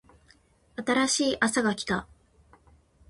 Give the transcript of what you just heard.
新しいあさが来た